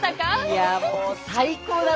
いやもう最高だった。